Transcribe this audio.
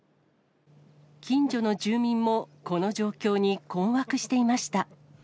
近所の住民もこの状況に困惑していました。